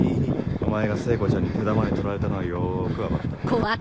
お前が聖子ちゃんに手玉に取られたのはよく分かった。